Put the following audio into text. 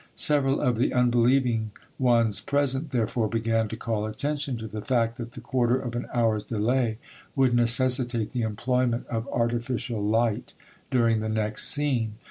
Several of the unbelieving ones present, therefore, began to call attention to the fact that the quarter of an hour's delay would necessitate the employment of artificial light during the next scene.